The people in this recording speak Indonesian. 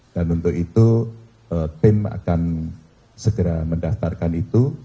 dan untuk itu tim akan segera mendaftarkan itu